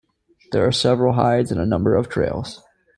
There are several hides and a number of trails.